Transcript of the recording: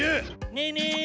ねえねえ！